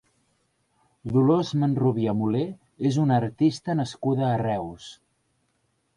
Dolors Manrubia Mulé és una artista nascuda a Reus.